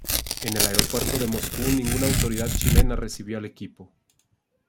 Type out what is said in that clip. En el aeropuerto de Moscú ninguna autoridad chilena recibió al equipo.